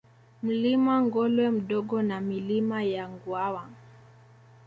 Mlima Ngolwe Mdogo na Milima ya Nguawa